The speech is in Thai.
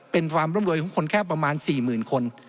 เป็นความร่ำรวยของคนแค่ประมาณ๔๐๐๐คน